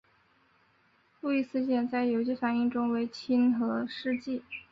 路易斯碱在有机反应中为亲核试剂。